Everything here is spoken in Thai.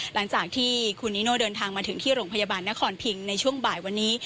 หลังจากที่คุณนิโน่เดินทางมาถึงที่โรงพยาบาลนครพิงในช่วงบ่ายวันนี้